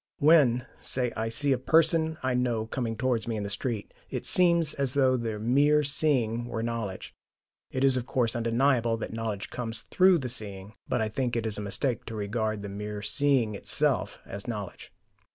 When, say, I see a person I know coming towards me in the street, it SEEMS as though the mere seeing were knowledge. It is of course undeniable that knowledge comes THROUGH the seeing, but I think it is a mistake to regard the mere seeing itself as knowledge.